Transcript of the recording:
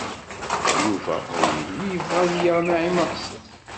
Yuba ur yelli yebɣa ad yaɣ Naɛima u Ḥsen.